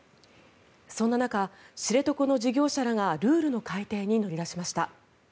そんな中、知床の事業者らがルールの改定に乗り出しました。